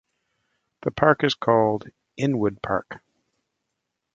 The park is called Inwood Park.